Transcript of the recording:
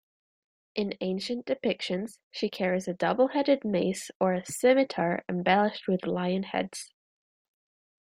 In ancient depictions, she carries a double-headed mace or scimitar embellished with lion heads.